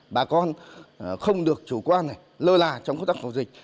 bà con không được chủ quan nơi là trong khu vực phòng dịch